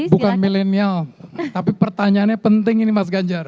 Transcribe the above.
bukan milenial tapi pertanyaannya penting ini mas ganjar